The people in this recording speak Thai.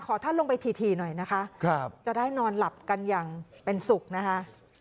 ท่านลงไปถี่หน่อยนะคะจะได้นอนหลับกันอย่างเป็นสุขนะคะ